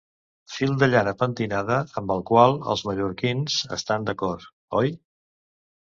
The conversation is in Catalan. Fil de llana pentinada amb el qual els mallorquins estan d'acord, oi?